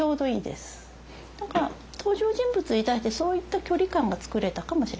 だから登場人物に対してそういった距離感が作れたかもしれません。